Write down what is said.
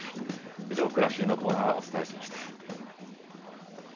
以上、くらしりのコーナーをお伝えしました。